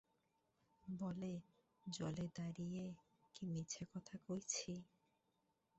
বলে, জলে দেড়িয়ে কি মিছা কথা কইছি।